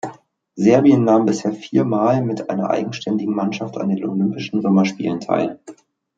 Serbien nahm bisher viermal mit einer eigenständigen Mannschaft an den Olympischen Sommerspielen teil.